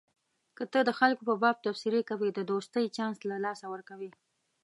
که ته د خلکو په باب تبصرې کوې د دوستۍ چانس له لاسه ورکوې.